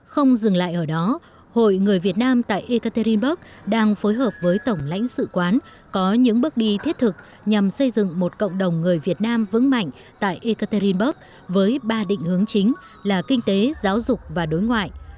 không dừng lại ở đó hội người việt nam tại ekaterinburg đang phối hợp với tổng lãnh sự quán có những bước đi thiết thực nhằm xây dựng một cộng đồng người việt nam vững mạnh tại ekaterinburg với ba định hướng chính là kinh tế giáo dục và đối ngoại